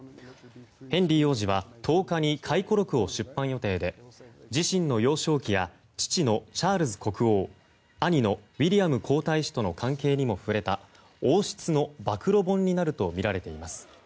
ヘンリー王子は１０日に回顧録を出版予定で自身の幼少期や父のチャールズ国王兄のウィリアム皇太子との関係にも触れた王室の暴露本になるとみられています。